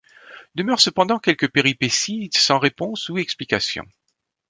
Demeurent cependant quelques péripéties sans réponse ou explication.